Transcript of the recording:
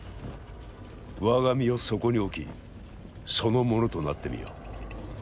我が身をそこに置きその者となってみよ。